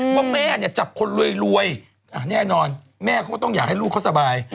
ว่าแม่เนี่ยจับคนรวยแน่นอนแม่เขาก็ต้องอยากให้ลูกเขาสบาย